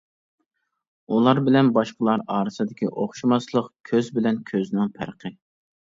ئۇلار بىلەن باشقىلار ئارىسىدىكى ئوخشىماسلىق، كۆز بىلەن كۆزنىڭ پەرقى.